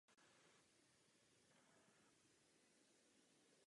Mohla byste vysvětlit důvod tohoto zpoždění?